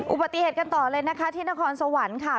อุบัติเหตุกันต่อเลยนะคะที่นครสวรรค์ค่ะ